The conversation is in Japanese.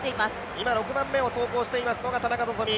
今６番目を走行していますのが田中希実。